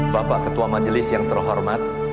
bapak ketua majelis yang terhormat